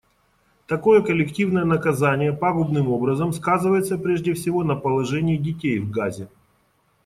Такое коллективное наказание пагубным образом сказывается, прежде всего, на положении детей в Газе.